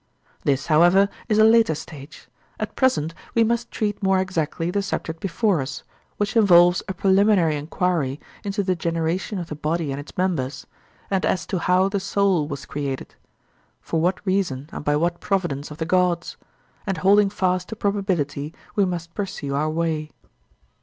This, however, is a later stage; at present we must treat more exactly the subject before us, which involves a preliminary enquiry into the generation of the body and its members, and as to how the soul was created—for what reason and by what providence of the gods; and holding fast to probability, we must pursue our way.